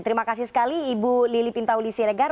terima kasih sekali ibu lili pintauli siregar